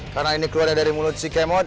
karena ini keluar dari mulut si k mod